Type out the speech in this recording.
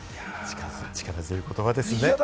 力強い言葉ですね。